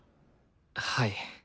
はい。